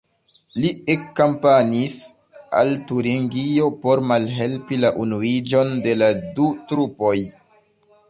Li ekkampanjis al Turingio por malhelpi la unuiĝon de la du trupoj.